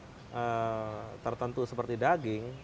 terdak tertentu seperti daging